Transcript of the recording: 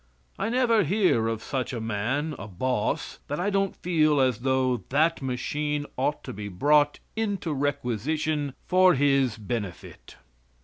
I never hear of such a man a boss that I don't feel as though that machine ought to be brought into requisition for his benefit.